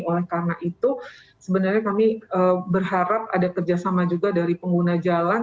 oleh karena itu sebenarnya kami berharap ada kerjasama juga dari pengguna jalan